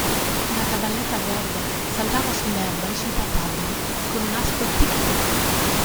Una cavalletta verde saltava sull'erba e sui papaveri con un aspro tic-tic.